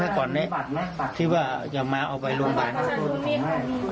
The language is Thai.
ไม่ก่อนนี้คิดว่าจะมาเอาไปโรงพยาบาล